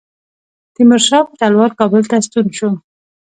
تیمورشاه په تلوار کابل ته ستون شو.